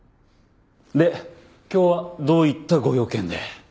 で今日はどういったご用件で？